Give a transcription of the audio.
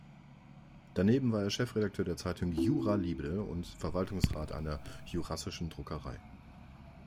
Daneben war er Chefredakteur der Zeitung "Jura Libre" und Verwaltungsrat einer jurassischen Druckerei.